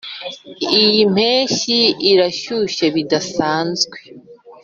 iyi mpeshyi irashyushye bidasanzwe.